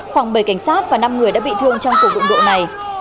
khoảng bảy cảnh sát và năm người đã bị thương trong cuộc đụng độ này